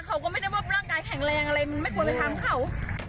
เขาก็ไม่ได้ว่าร่างกายแข็งแรงอะไรมันไม่ควรไปทำเขา